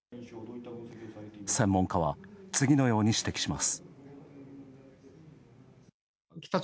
専門家は次のように指摘します。